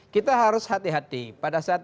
kita harus hati hati pada saat